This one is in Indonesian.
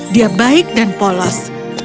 dia baik dan polos